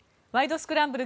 スクランブル」